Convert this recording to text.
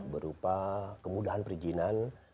berupa kemudahan perizinan